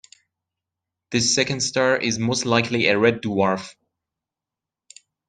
This second star is most likely a red dwarf.